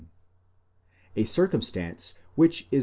11 ff.), a circumstance which is.